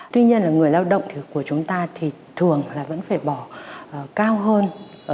tuy nhiên là người lao động của chúng ta thì thường là vẫn phải bỏ cao hơn